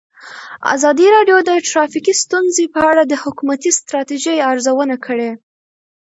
ازادي راډیو د ټرافیکي ستونزې په اړه د حکومتي ستراتیژۍ ارزونه کړې.